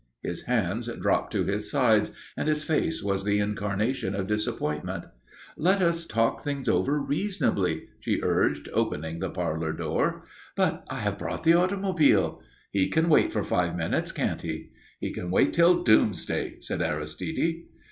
His hands dropped to his sides and his face was the incarnation of disappointment. "Let us talk things over reasonably," she urged, opening the parlour door. "But I have brought the automobile." "He can wait for five minutes, can't he?" "He can wait till Doomsday," said Aristide.